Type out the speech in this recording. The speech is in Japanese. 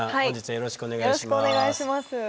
よろしくお願いします。